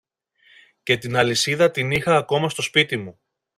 και την αλυσίδα την είχα ακόμα στο σπίτι μου.